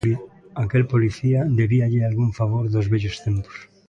Aquel policía debíalle algún favor dos vellos tempos.